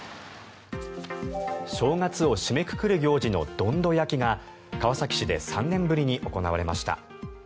正月を締めくくる行事のどんど焼きが川崎市で３年ぶりに行われました。